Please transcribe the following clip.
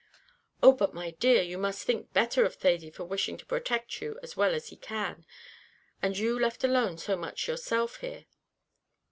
"Oh, but, my dear, you must think better of Thady for wishing to protect you as well as he can, and you left alone so much yourself here.